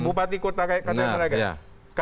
bupati kota kataranggara